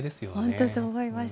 本当、そう思います。